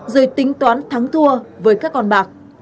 rồi tính toán thắng thua với các con bạc